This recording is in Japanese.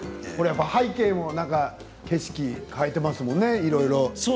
背景も景色を変えていますよねいろいろ。